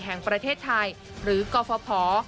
แห่งประเทศไทยหรือกฟภ